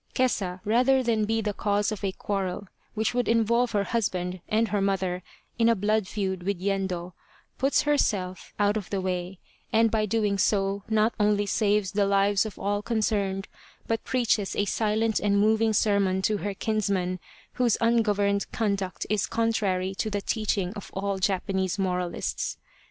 Kesa, rather than be the cause of a quarrel which would involve her husband and her mother in a blood feud with Yendo, puts herself out of the way, and by doing so not only saves the lives of all concerned, but preaches a silent and moving sermon to her kinsman, whose ungoverned conduct is contrary to the teach ing of all Japanese moralists.